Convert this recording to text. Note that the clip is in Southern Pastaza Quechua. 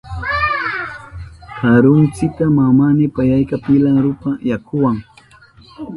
Karuntsita mama payaka pilan rupa yakuwa.